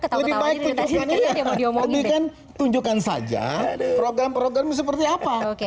tunggulah ketahuan tadi mau dia mampuan veter tunjukkan saja program program seperti apa